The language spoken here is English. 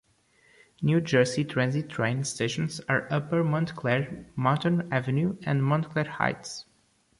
New Jersey Transit train stations are Upper Montclair, Mountain Avenue, and Montclair Heights.